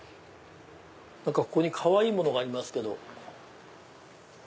ここにかわいいものがありますけど。